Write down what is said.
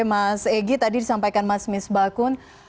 mas egy tadi disampaikan mas mis bakun